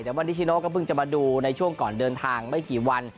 แต่ว่านิชิโนก็เพิ่งจะมาดูในช่วงก่อนเดินทางไม่กี่วัน